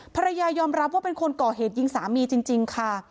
ภรรยายอมรับว่าเป็นคนก่อเหตุยิงสามีจริงค่ะ